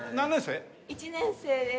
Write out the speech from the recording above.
１年生です。